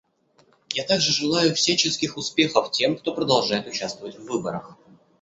Я также желаю всяческих успехов тем, кто продолжает участвовать в выборах.